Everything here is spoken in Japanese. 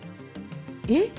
えっ？